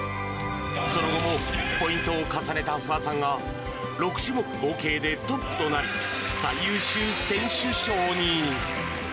その後もポイントを重ねた不破さんが、６種目合計でトップとなり、最優秀選手賞に。